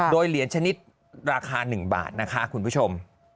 โดยเหรียญชนิดราคา๑บาทนะคะคุณผู้ชม